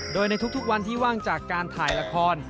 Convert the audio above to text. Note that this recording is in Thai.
โดยในทุกวันที่ว่างจากการถ่ายละคร